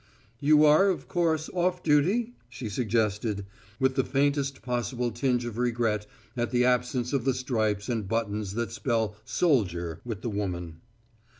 "You are, of course, off duty?" she suggested, with the faintest possible tinge of regret at the absence of the stripes and buttons that spell "soldier" with the woman.